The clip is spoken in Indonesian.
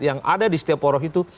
yang ada di setiap poros itu